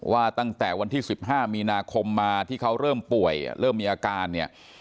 ว่าตั้งแต่วันที่๑๕มีนาคมมาที่เขาเริ่มป่วยเริ่มมีอาการเนี่ย